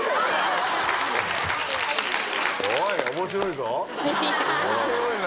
おい面白いぞ。